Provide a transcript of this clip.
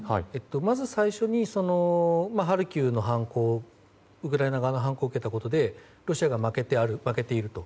まず最初にハルキウのウクライナ側の反攻を受けたことでロシアが負けていると。